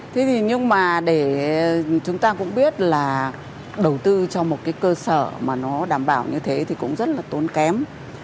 thế thì nhưng mà để chúng ta cũng biết là đầu tư cho một cái cơ sở mà nó đảm bảo như thế thì cũng rất là tốn kém